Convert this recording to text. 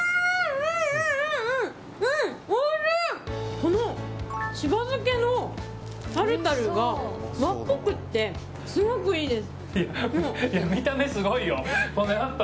この柴漬けのタルタルが和っぽくってすごくいいです。